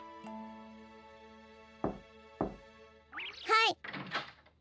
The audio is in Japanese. はい。